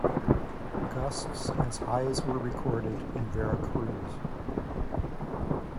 Gusts as high as were recorded in Veracruz.